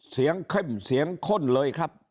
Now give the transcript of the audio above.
เสียงเข้มเสียงข้นเลยครับ